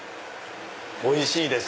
おいしいです！